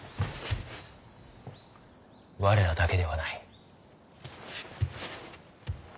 我らだけではない。